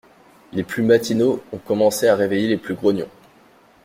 Les plus matinaux ont commencé à réveiller les plus grognons.